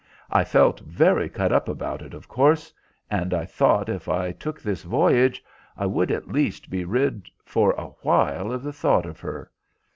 I felt very cut up about it, of course, and I thought if I took this voyage I would at least be rid for a while of the thought of her.